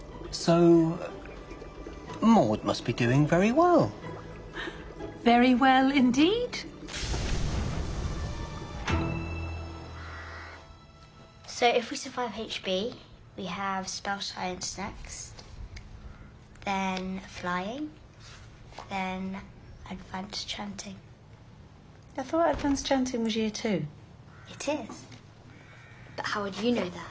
そうだよ。